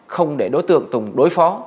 không để đối tượng tùng đối phó